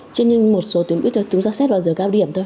chứ như một số tuyến buýt chúng ta xét vào giờ cao điểm thôi